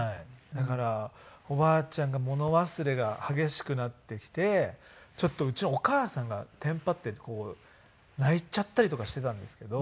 だからおばあちゃんが物忘れが激しくなってきてちょっとうちのお母さんがテンパって泣いちゃったりとかしていたんですけど。